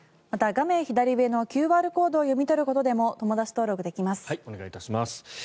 また、画面左上のＱＲコードを読み取ることでもお願いいたします。